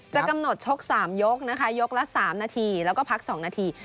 กำหนดชก๓ยกนะคะยกละ๓นาทีแล้วก็พัก๒นาที